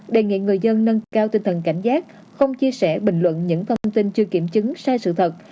đề nghị người dân nâng cao tinh thần cảnh giác không chia sẻ bình luận những thông tin chưa kiểm chứng sai sự thật